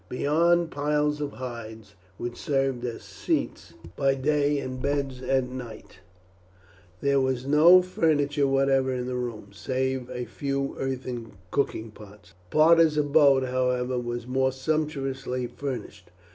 Beyond piles of hides, which served as seats by day and beds at night, there was no furniture whatever in the rooms, save a few earthen cooking pots. Parta's abode, however, was more sumptuously furnished.